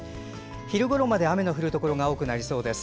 昼ごろまで雨の降るところが多くなりそうです。